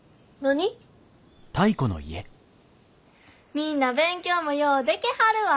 みんな勉強もようでけはるわ。